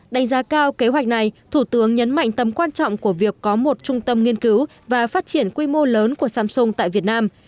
đánh giá cao kế hoạch này thủ tướng nhấn mạnh tầm quan trọng của việc có một trung tâm nghiên cứu và phát triển quy mô lớn của samsung tại việt nam